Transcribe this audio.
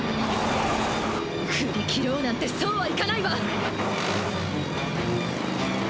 ふり切ろうなんてそうはいかないわ！